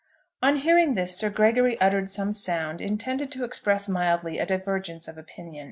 On hearing this Sir Gregory uttered some sound intended to express mildly a divergence of opinion.